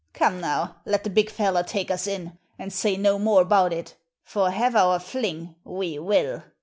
Come now, let the big feller take us in, and say no more about it, for have our fling, we will."